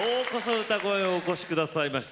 「うたコン」へお越しくださいました。